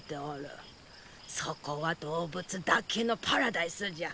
そこは動物だけのパラダイスじゃ！